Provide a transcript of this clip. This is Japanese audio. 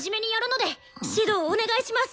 指導お願いします